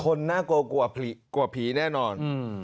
น่ากลัวกว่าผีแน่นอน